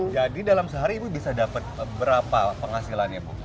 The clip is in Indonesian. jadi dalam sehari ibu bisa dapat berapa penghasilannya bu